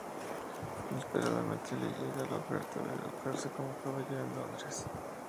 Inesperadamente le llega la oferta de educarse como caballero en Londres.